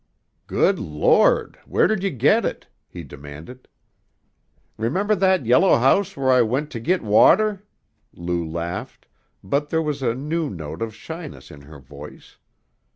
"Good Lord, where did you get it?" he demanded. "Remember that yellow house where I went to git water?" Lou laughed, but there was a new note of shyness in her voice.